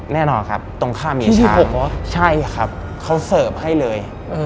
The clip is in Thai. แน่นอนครับตรงข้ามเมียชาใช่ครับเขาเสิร์ฟให้เลย